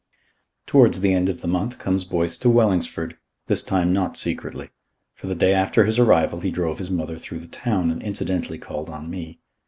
Towards the end of the month comes Boyce to Wellingsford, this time not secretly; for the day after his arrival he drove his mother through the town and incidentally called on me.